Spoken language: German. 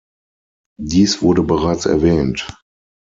Dies wurde bereits erwähnt.